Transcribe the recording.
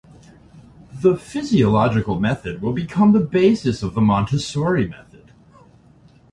The physiological method will become the basis of the Montessori method.